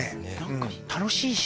楽しいし。